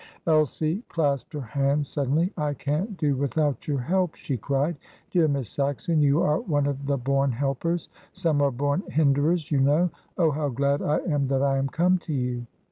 Elsie clasped her hands suddenly. "I can't do without your help," she cried. "Dear Miss Saxon, you are one of the born helpers some are born hinderers, you know. Oh, how glad I am that I am come to you!"